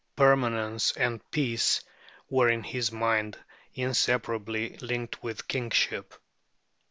Permanence and peace were in his mind inseparably linked with kingship.